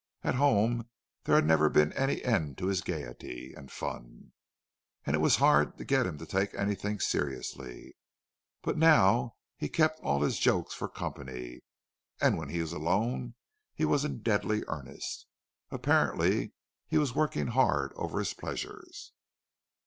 At home there had never been any end to his gaiety and fun, and it was hard to get him to take anything seriously; but now he kept all his jokes for company, and when he was alone he was in deadly earnest. Apparently he was working hard over his pleasures.